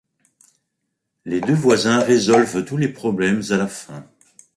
Les deux voisins résolvent tous les problèmes à la fin.